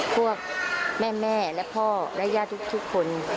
พวกแม่และพ่อและญาติทุกคน